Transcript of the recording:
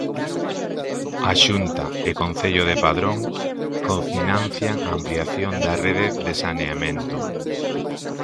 A Xunta e Concello de Padrón cofinancian a ampliación da rede de saneamento.